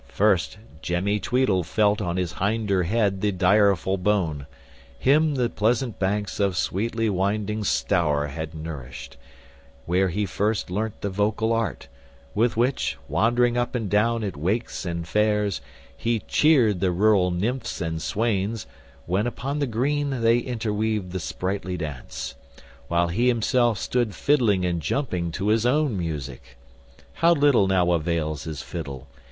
First, Jemmy Tweedle felt on his hinder head the direful bone. Him the pleasant banks of sweetly winding Stour had nourished, where he first learnt the vocal art, with which, wandering up and down at wakes and fairs, he cheered the rural nymphs and swains, when upon the green they interweaved the sprightly dance; while he himself stood fiddling and jumping to his own music. How little now avails his fiddle!